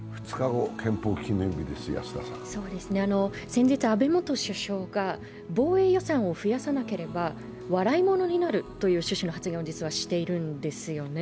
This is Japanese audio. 先日、安倍元首相が防衛予算を増やさなければ笑い物になるという趣旨の発言を実はしているんですよね。